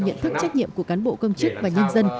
nhận thức trách nhiệm của cán bộ công chức và nhân dân